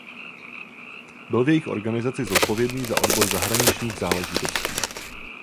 Byl v jejich organizaci zodpovědný za odbor zahraničních záležitostí.